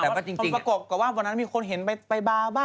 แต่วันนั้นผดประกบว่มีคนเองเห็นไบบาก